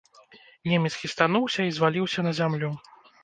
Немец хістануўся і зваліўся на зямлю.